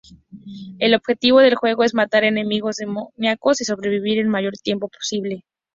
El objetivo del juego es matar enemigos demoníacos y sobrevivir el mayor tiempo posible.